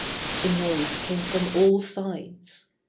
The noise came from all sides.